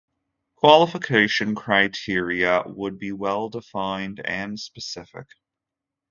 Qualification criteria would be well defined and specific.